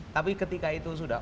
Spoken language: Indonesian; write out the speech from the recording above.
tapi ketika itu sudah